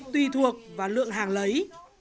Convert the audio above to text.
tuy thuộc vào lượng hàng lấy